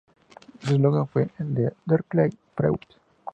Su eslogan fue "Der Kleine Freund.